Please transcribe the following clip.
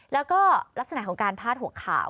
แล้วก็ลักษณะของการพาดหัวข่าว